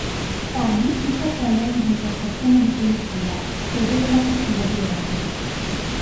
Oggi il castello è adibito a stazione di polizia, sede della Questura di Lodi.